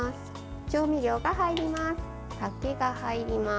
調味料が入ります。